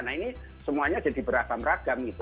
nah ini semuanya jadi beragam ragam gitu